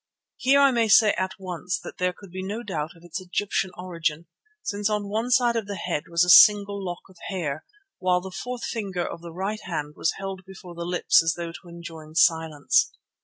Here I may say at once that there could be no doubt of its Egyptian origin, since on one side of the head was a single lock of hair, while the fourth finger of the right hand was held before the lips as though to enjoin silence.